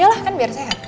yalah kan biar sehat